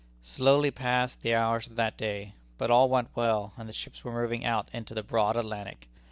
Slowly passed the hours of that day. But all went well, and the ships were moving out into the broad Atlantic.